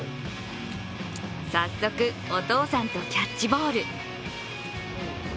早速、お父さんとキャッチボール。